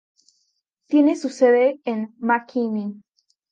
Tiene su sede en McKinney.